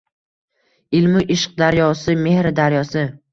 Ilmu ishq daryosi, mehr daryosi